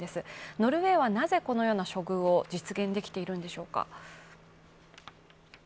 ノルウェーは、なぜこのような処遇を実現できているんでしょうか。